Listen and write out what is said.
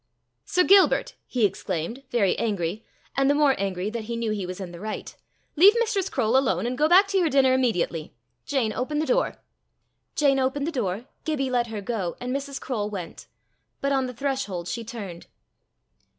"Sir Gilbert!" he exclaimed, very angry, and the more angry that he knew he was in the right, "leave Mistress Croale alone, and go back to your dinner immediately. Jane, open the door." Jane opened the door, Gibbie let her go, and Mrs. Croale went. But on the threshold she turned.